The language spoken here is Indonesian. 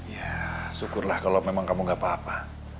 ya syukurlah kalau memang kamu gak apa apa